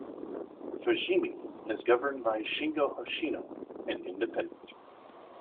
Fujimi is governed by Shingo Hoshino, an independent.